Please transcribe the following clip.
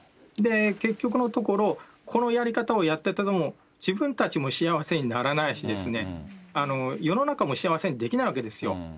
結局のところ、このやり方をやってても自分たちも幸せにならないし、世の中も幸せにできないわけですよ。